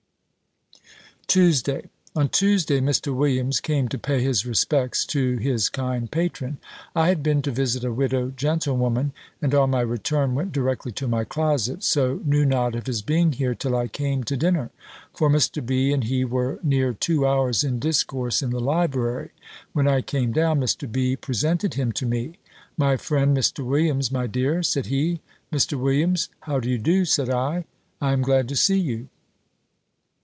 TUESDAY. On Tuesday, Mr. Williams came to pay his respects to his kind patron. I had been to visit a widow gentlewoman, and, on my return, went directly to my closet, so knew not of his being here till I came to dinner; for Mr. B. and he were near two hours in discourse in the library. When I came down, Mr. B. presented him to me. "My friend Mr. Williams, my dear," said he. "Mr. Williams, how do you do?" said I; "I am glad to see you."